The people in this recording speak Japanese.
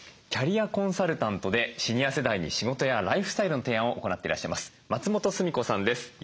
キャリアコンサルタントでシニア世代に仕事やライフスタイルの提案を行っていらっしゃいます松本すみ子さんです。